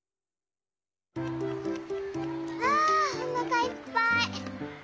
あおなかいっぱい！